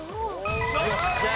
よっしゃー。